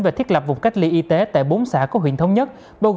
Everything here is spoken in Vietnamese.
về thiết lập vùng cách ly y tế tại bốn xã của huyện thống nhất